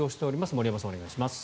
森山さん、お願いします。